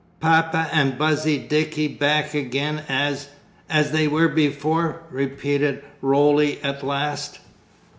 'Papa and Buzzy Dicky back again as as they were before,' repeated Roly at last.